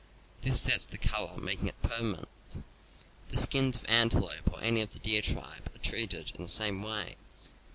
This sets the color, making it permanent. The skins of antelope or any of the deer tribe are treated in the same way.